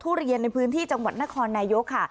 เรียนในพื้นที่จังหวัดนครนายกค่ะ